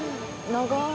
長い。